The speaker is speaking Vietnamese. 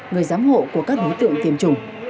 người giám hộ của các bí tượng tiêm chủng